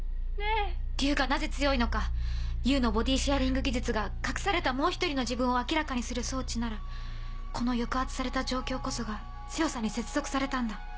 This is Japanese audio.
竜がなぜ強いのかＵのボディシェアリング技術が隠されたもう１人の自分を明らかにする装置ならこの抑圧された状況こそが強さに接続されたんだ。